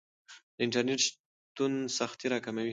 د انټرنیټ شتون سختۍ راکموي.